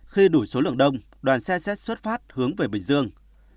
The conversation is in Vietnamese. khi đủ số lượng đông đoàn xe xét xuất phát hướng về bình dương